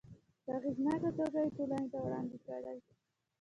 په اغیزناکه توګه یې ټولنې ته وړاندې کړي.